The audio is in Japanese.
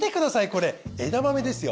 これ枝豆ですよ。